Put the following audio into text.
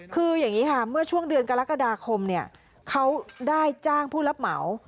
คืออย่างนี้ค่ะเมื่อช่วงเดือนกรกฎาคมเนี่ยเขาได้จ้างผู้รับเหมา